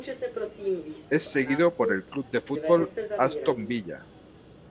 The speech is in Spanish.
Es seguidor del club de fútbol Aston Villa.